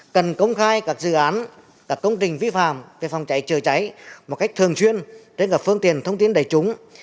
cần công khai các dự án các công trình vi phạm về phòng cháy chữa cháy một cách thường xuyên trên các phương tiện thông tin đại chúng